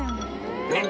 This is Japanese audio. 「えっ！